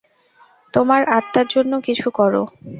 তোমার আত্মার জন্য কিছু কর।